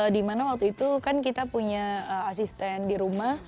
dimana waktu itu kan kita punya asisten dirumah